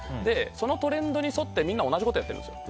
そのトレンドに沿ってみんな同じことやっているんですよ。